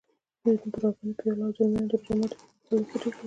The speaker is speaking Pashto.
بوډاګانو، پېغلو او ځلمیانو د روژه ماتي پر مهال اوښکې توی کړې.